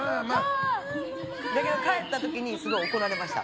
だけど、帰った時にすごい怒られました。